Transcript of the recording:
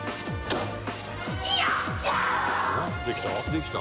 「できた？」